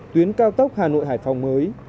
tuyến cao tốc hà nội hải phòng mới